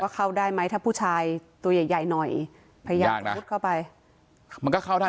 เข้าได้ไหมถ้าผู้ชายตัวใหญ่ใหญ่หน่อยพยายามมุดเข้าไปมันก็เข้าได้